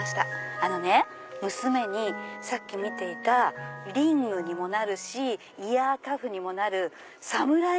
あのね娘にさっき見ていたリングにもなるしイヤカフにもなるサムライ